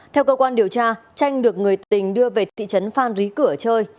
theo cơ quan điều tra tranh được người tình đưa về thị trấn phan rí cửa chơi